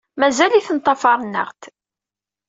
Mazal-iten ṭṭafaren-aɣ-d.